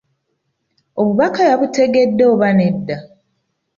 Obubaka yabutegedde oba nedda?